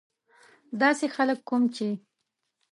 داسې خلک کوم چې.